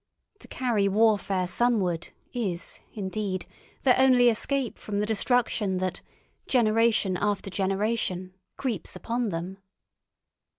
To carry warfare sunward is, indeed, their only escape from the destruction that, generation after generation, creeps upon them.